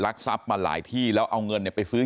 ทรัพย์มาหลายที่แล้วเอาเงินไปซื้อ